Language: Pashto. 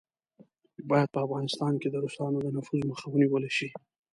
باید په افغانستان کې د روسانو د نفوذ مخه ونیوله شي.